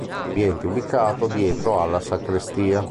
Ambiente ubicato dietro alla sacrestia.